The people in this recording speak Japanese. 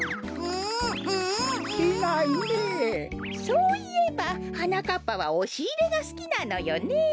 そういえばはなかっぱはおしいれがすきなのよねえ。